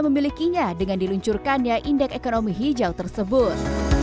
memilikinya dengan diluncurkannya indeks ekonomi hijau tersebut